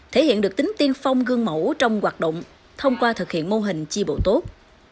thể hiện được tính tiên phong gương mẫu trong hoạt động thông qua thực hiện mô hình chi bộ tốt